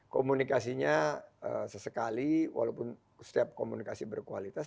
komunikasinya sesekali walaupun setiap komunikasi berkualitas